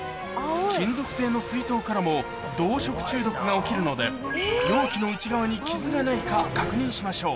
金属製の水筒からも銅食中毒が起きるので容器の内側にキズがないか確認しましょう